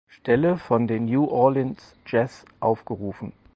Stelle von den New Orleans Jazz aufgerufen.